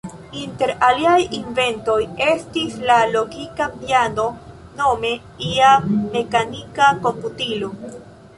Inter liaj inventoj estis la logika piano, nome ia mekanika komputilo.